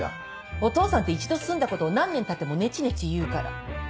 お父さんって一度済んだことを何年たってもネチネチ言うから。